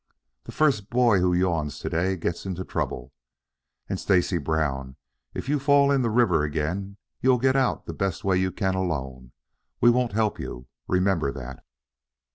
"The first boy who yawns to day gets into trouble. And Stacy Brown, if you fall in the river again you'll get out the best way you can alone. We won't help you, remember that."